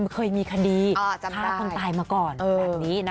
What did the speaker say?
เคยมีคดี๕คนตายมาก่อน